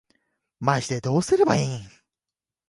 マジでどうすればいいん